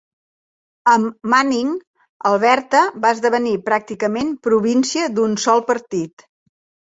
Amb Manning, Alberta va esdevenir pràcticament província d'un sol partit.